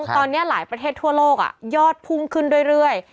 ตอนนี้หลายประเทศทั่วโลกยอดพุ่งขึ้นเรื่อย